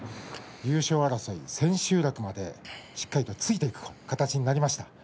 優勝争い、千秋楽までしっかりとついていく形になりました。